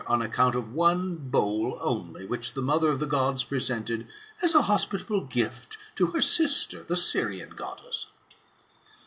on account of one bowl only, which the mother of the Gods presented, as a hospitable gift, to her sister, the Syrian Goddess!"